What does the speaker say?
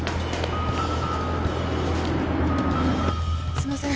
すいません。